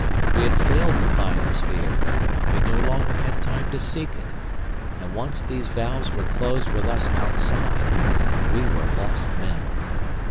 We had failed to find the sphere, we no longer had time to seek it, and once these valves were closed with us outside, we were lost men.